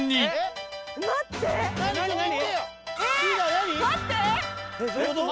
何？